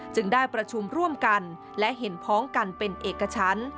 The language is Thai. ได้ประชุมร่วมกันและเห็นพ้องกันเป็นเอกชั้น